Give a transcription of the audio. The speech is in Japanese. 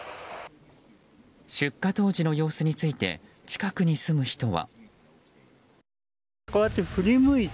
出火当時の様子について近くに住む人は。